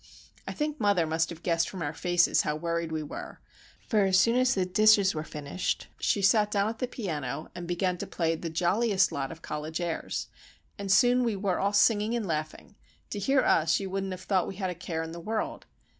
I think mother must have guessed from our faces how worried we were, for, as soon as the dishes were finished, she sat down at the piano and began to play the jolliest lot of college airs. And soon we were all singing and laughing; to hear us you wouldn't have thought we had a care in the world.